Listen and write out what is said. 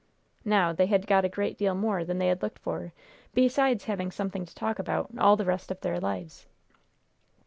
Now, they had got a great deal more than they had looked for, besides having something to talk about all the rest of their lives.